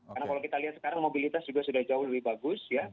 karena kalau kita lihat sekarang mobilitas juga sudah jauh lebih bagus